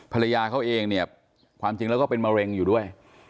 ภรรยาเขาเองเนี่ยความจริงแล้วก็เป็นมะเร็งอยู่ด้วย